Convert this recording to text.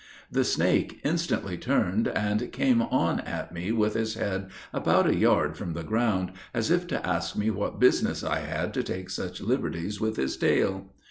The snake instantly turned, and came on at me with his head about a yard from the ground, as if to ask me what business I had to take such liberties with his tail.